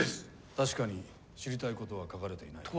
確かに知りたい事は書かれていない。